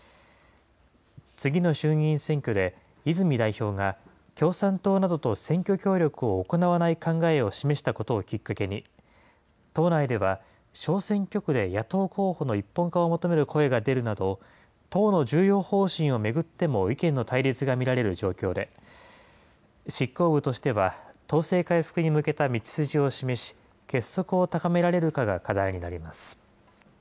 次の衆議院選挙で泉代表が、共産党などと選挙協力を行わない考えを示したことをきっかけに、党内では小選挙区で野党候補の一本化を求める声が出るなど、党の重要方針を巡っても意見の対立が見られる状況で、執行部としては、党勢回復に向けた道筋を示し、結束を高められるかが課題になります。